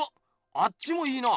あっちもいいな！